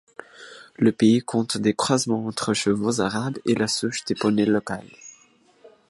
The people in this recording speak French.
Le pays compte des croisements entre chevaux arabes et la souche de poneys locale.